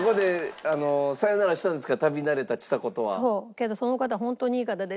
けどその方ホントにいい方で。